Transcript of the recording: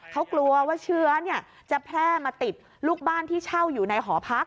เขากลัวว่าเชื้อจะแพร่มาติดลูกบ้านที่เช่าอยู่ในหอพัก